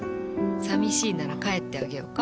寂しいなら帰ってあげようか？